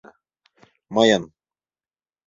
— Мыйын.